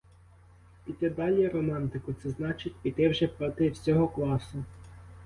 Піти далі, романтику, це значить піти вже проти всього класу.